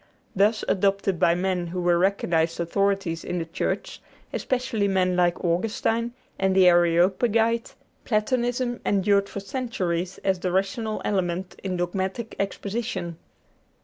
Thus adopted by men who were recognized authorities in the Church, especially men like Augustine and the Areopagite, Platonism endured for centuries as the rational element in dogmatic exposition.